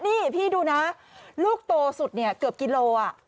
นี่พี่ดูนะลูกโตสุดเนี่ยเกือบกิโล